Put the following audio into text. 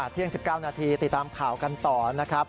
เที่ยง๑๙นาทีติดตามข่าวกันต่อนะครับ